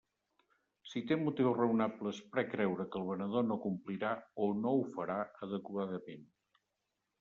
Si té motius raonables per a creure que el venedor no complirà o no ho farà adequadament.